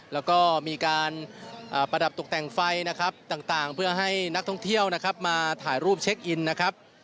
แล้วก็มีการประดับตกแต่งไฟนะครับต่างเพื่อให้นักท่องเที่ยวนะครับมาถ่ายรูปเช็คอินนะครับ